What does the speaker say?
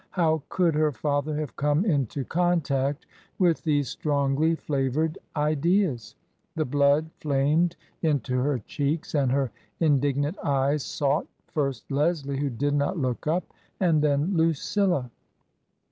How could her father have come into contact with these strongly flavored ideas ? The blood flamed into her cheeks, and her indignant eyes sought, first Leslie, who did not look up, and then Lucilla.